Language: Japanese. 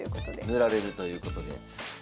塗られるということで。